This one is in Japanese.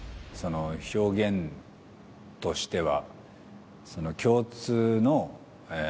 表現としては。